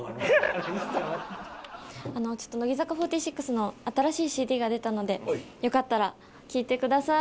ちょっと乃木坂４６の新しいＣＤが出たのでよかったら聴いてください。